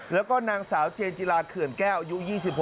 แล้วก็นางสาวเจนจิลาเขื่อนแก้วอายุ๒๖